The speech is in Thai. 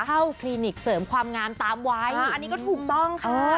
คลินิกเสริมความงามตามวัยอันนี้ก็ถูกต้องค่ะ